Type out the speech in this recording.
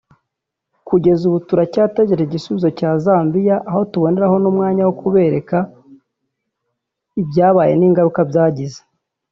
Kugeza ubu turacyategereje igisubizo cya Zambia aho tuboneraho n’umwanya wo kubereka ibyabaye n’ingaruka byagize